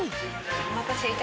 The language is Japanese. お待たせいたしました。